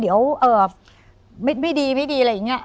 เดี๋ยวไม่ดีไม่ดีอะไรอย่างนี้